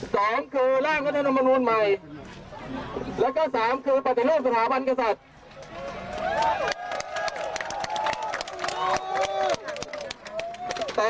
สองคือร่างรัฐธรรมนูลใหม่แล้วก็สามคือปฏิรูปสถาบันกษัตริย์